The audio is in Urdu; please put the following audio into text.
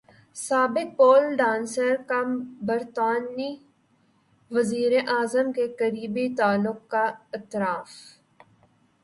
سابق پول ڈانسر کا برطانوی وزیراعظم سے قریبی تعلق کا اعتراف